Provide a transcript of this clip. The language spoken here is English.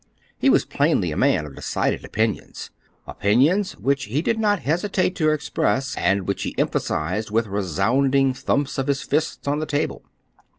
He was plainly a man of decided opinions—opinions which he did not hesitate to express, and which he emphasized with resounding thumps of his fists on the table.